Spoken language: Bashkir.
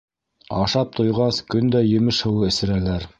Ашап туйғас, көн дә емеш һыуы эсерәләр.